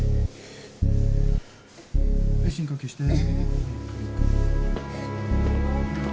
はい深呼吸して。